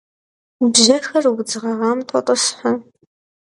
Bjexer vudz ğeğaxem tot'ıshe.